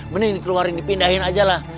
mending dikeluarin dipindahin aja lah